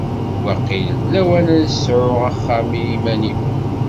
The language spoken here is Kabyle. Waqil d lawan as sεuɣ axxam i iman-iw.